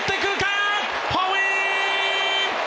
ホームイン！